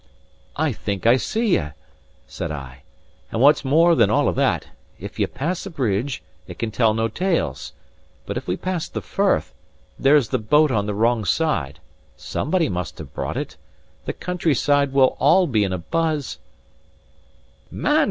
"I think I see ye!" said I. "And what's more than all that: if ye pass a bridge, it can tell no tales; but if we pass the firth, there's the boat on the wrong side somebody must have brought it the country side will all be in a bizz " "Man!"